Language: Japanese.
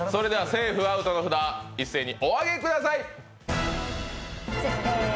セーフ・アウトの札一斉にお上げください。